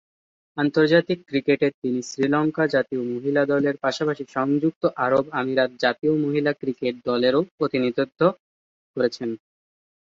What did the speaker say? আন্তর্জাতিক ক্রিকেটে তিনি শ্রীলঙ্কা জাতীয় মহিলা দলের পাশাপাশি সংযুক্ত আরব আমিরাত জাতীয় মহিলা ক্রিকেট দলেরও প্রতিনিধিত্ব করেছেন।